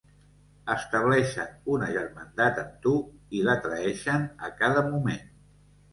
Estableixen una germandat amb tu i la traeixen a cada moment.